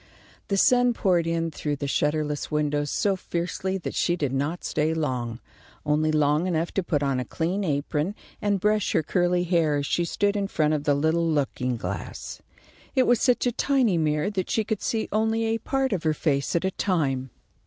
The sun poured in through the shutterless windows so fiercely that she did not stay long, only long enough to put on a clean apron and brush her curly hair, as she stood in front of the little looking glass. It was such a tiny mirror that she could see only a part of her face at a time.